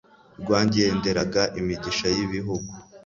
rwagenderaga imigisha y’ibihugu,